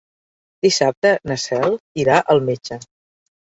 Dissabte na Cel irà al metge.